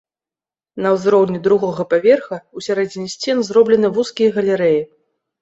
На ўзроўні другога паверха ў сярэдзіне сцен зроблены вузкія галерэі.